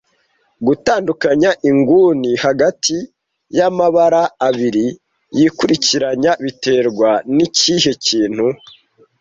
Gutandukanya inguni hagati yamabara abiri yikurikiranya biterwa nikihe kintu